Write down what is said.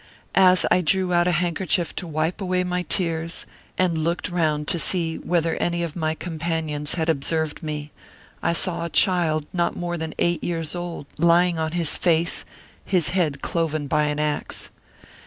As I drew out a handkerchief to wipe away my tears, and looked round to see whether any of my companions had observed me, I saw a child not more than eight years old, lying on his face, his head cloven by an axe.